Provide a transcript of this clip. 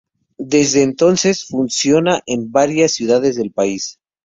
Desde entonces funciona en varias ciudades del país.